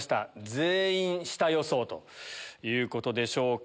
全員下予想ということでしょうか。